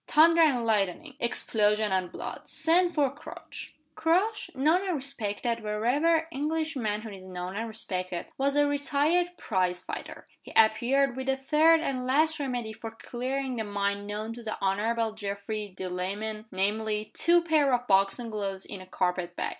"Thunder and lightning! Explosion and blood! Send for Crouch." Crouch (known and respected wherever English manhood is known and respected) was a retired prize fighter. He appeared with the third and last remedy for clearing the mind known to the Honorable Geoffrey Delamayn namely, two pair of boxing gloves in a carpet bag.